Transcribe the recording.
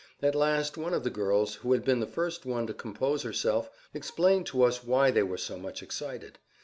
At last one of the girls, who had been the first one to compose herself, explained to us why they were so much excited.